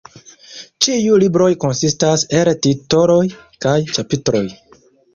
Ĉiu libro konsistas el titoloj kaj ĉapitroj.